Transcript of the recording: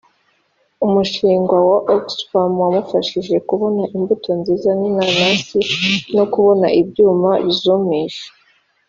umushingwa wa Oxfarm wamufashije kubona imbuto nziza z’inanasi no kubona ibyuma bizumisha